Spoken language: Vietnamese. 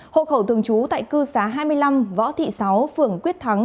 hộ khẩu thường trú tại cư xá hai mươi năm võ thị sáu phường quyết thắng